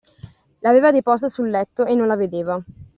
L'aveva deposta sul letto e non la vedeva.